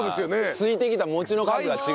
ついてきた餅の数が違うんだ。